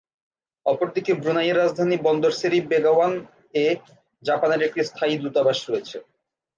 অপরদিকে ব্রুনাইয়ের রাজধানী বন্দর সেরি বেগাওয়ান-এ জাপানের একটি স্থায়ী দূতাবাস রয়েছে।